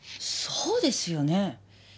そうですよね。